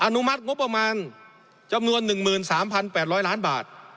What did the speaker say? อนุมัติงบประมาณจำนวนหนึ่งหมื่นสามพันแปดร้อยล้านบาท